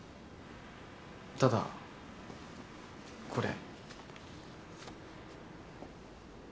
ただこれ。